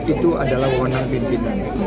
itu adalah wonang pimpinan